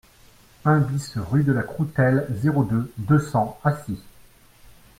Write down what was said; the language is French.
un BIS rue de la Croutelle, zéro deux, deux cents, Acy